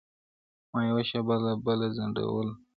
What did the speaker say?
ما یوه شېبه لا بله ځنډولای-